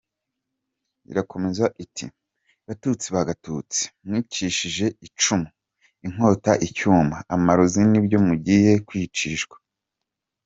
Irakomeza iti “Batutsi ba Gatutsi , mwicishije icumu, inkota, icyuma, amarozi nibyo mugiye kwicishwa .